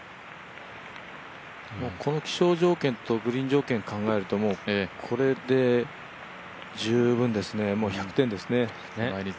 この気象条件と、グリーン条件を考えるとこれで十分ですね、１００点ですね。